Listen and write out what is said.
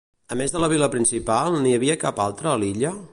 A més de la vila principal, n'hi havia cap altra a l'illa?